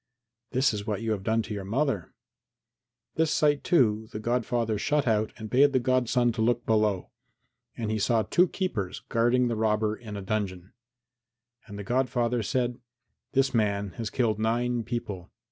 "This is what you have done to your mother." This sight, too, the godfather shut out and bade the godson look below. And he saw two keepers guarding the robber in a dungeon. And the godfather said, "This man has killed nine people.